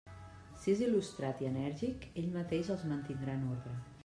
Si és il·lustrat i enèrgic, ell mateix els mantindrà en ordre.